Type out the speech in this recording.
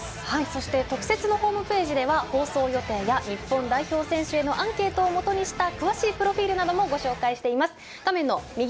そして特設のホームページでは日本代表選手へのアンケートをもとにした詳しいプロフィールなどもご紹介しています。